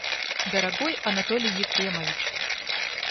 Дорогой Анатолий Ефремович!